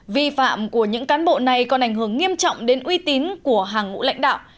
vi phạm của những cán bộ này còn ảnh hưởng nghiêm trọng đến uy tín của hàng ngũ lãnh đạo